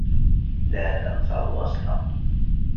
لا تنس الوصل.